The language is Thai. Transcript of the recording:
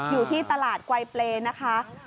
อยู่ที่ตลาดไกลเปรย์นะคะ